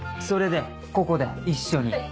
それでここで一緒に？